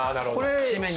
締めに。